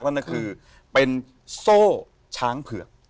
นั่นก็คือเป็นโซ่ช้างเผือก